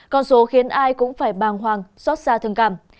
con số khiến ai cũng phải bàng hoàng xót xa thường cảm